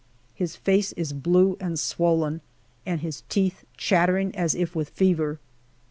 His face is blue and swollen, and his teeth chattering as if with fever.